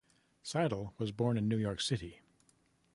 Seidel was born in New York City.